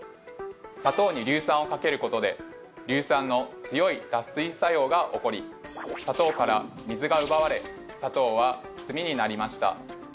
砂糖に硫酸をかけることで硫酸の強い脱水作用が起こり砂糖から水がうばわれ砂糖は炭になりました。